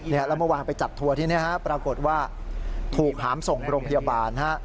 แล้วเมื่อวานไปจัดทัวร์ที่นี่ฮะปรากฏว่าถูกหามส่งโรงพยาบาลฮะ